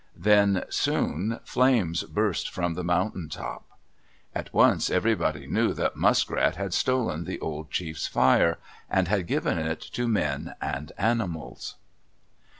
Then soon flames burst from the mountain top. At once everybody knew that Muskrat had stolen the old chief's fire, and had given it to men and animals.